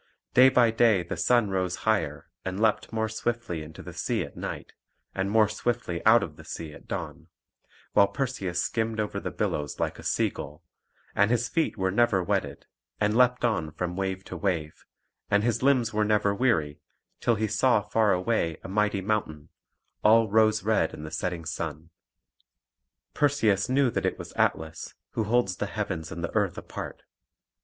Day by day the sun rose higher and leaped more swiftly into the sea at night, and more swiftly out of the sea at dawn; while Perseus skimmed over the billows like a sea gull, and his feet were never wetted; and leapt on from wave to wave, and his limbs were never weary, till he saw far away a mighty mountain, all rose red in the setting sun. Perseus knew that it was Atlas, who holds the heavens and the earth apart.